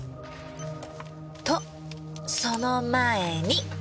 とその前に！